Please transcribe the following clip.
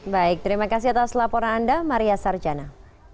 baik terima kasih atas laporan anda maria sarjana